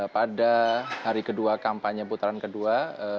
pada hari kedua kampanye putaran kedua